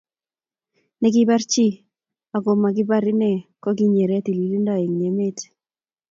Ne kibar chii ako makibar inee ko kinyere tililindo eng emee